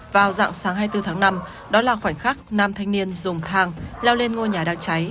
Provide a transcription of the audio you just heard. vào dạng sáng hai mươi bốn tháng năm đó là khoảnh khắc nam thanh niên dùng thang leo lên ngôi nhà đang cháy